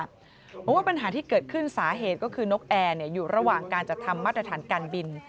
เพราะว่าปัญหาที่เกิดขึ้นสาเหตุก็คือนกแอร์อยู่ระหว่างการจัดทำมาตรฐานการบิน